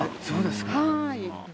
そうですか。